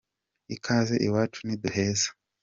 Ikaze iwacu ntiduheza.